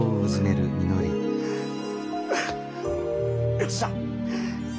よっしゃ！